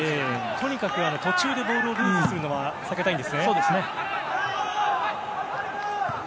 とにかく、途中でボールをロストするのは避けたいと。